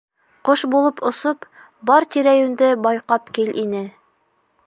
Ҡош булып осоп, бар тирә-йүнде байҡап кил ине.